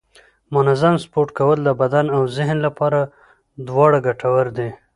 منظم سپورت کول د بدن او ذهن لپاره دواړه ګټور دي